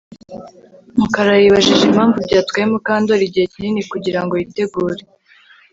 Mukara yibajije impamvu byatwaye Mukandoli igihe kinini kugirango yitegure